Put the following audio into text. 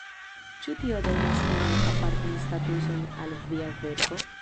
Ĉu tio donas ian apartan statuson al via verko?